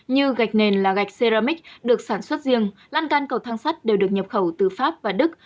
như gạch nền là gạch seramic được sản xuất riêng lan can cầu thang sắt đều được nhập khẩu từ pháp và đức